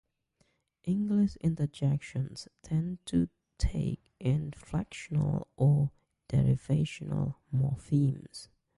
English interjections tend not to take inflectional or derivational morphemes.